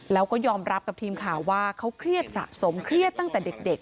แล้วก็ยอมรับกับทีมข่าวว่าเขาเครียดสะสมเครียดตั้งแต่เด็ก